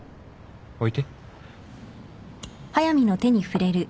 置いて。